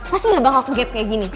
pasti gak bakal ke gap kayak gini